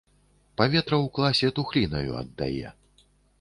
Паветра ў класе тухлінаю аддае.